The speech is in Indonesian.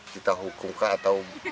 kita hukum kah atau bagaimana kok